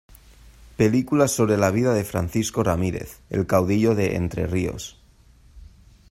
Película sobre la vida de Francisco Ramírez, el caudillo de Entre Ríos.